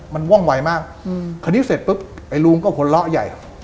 มันว่องไวมากอืมคันนี้เสร็จปุ๊บไอลุงก็ขนเลาะใหญ่